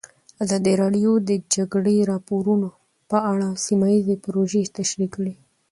ازادي راډیو د د جګړې راپورونه په اړه سیمه ییزې پروژې تشریح کړې.